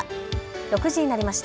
６時になりました。